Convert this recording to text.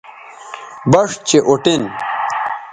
بَݜ چہء اُٹین